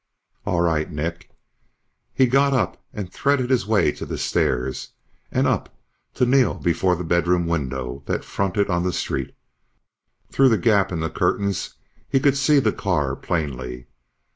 "All right, Nick." He got up and threaded his way to the stairs and up to kneel before the bedroom window that fronted on the street. Through the gap in the curtains, he could see the car plainly.